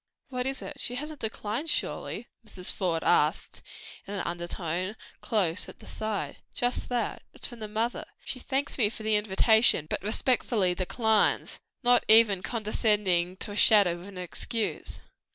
"What is it? She hasn't declined, surely?" Mrs. Faude asked in an undertone, close at his side. "Just that; it's from the mother; thanks me for the invitation, but respectfully declines; not even vouchsafing a shadow of an excuse.